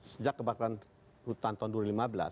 sejak kebakaran hutan tahun dua ribu lima belas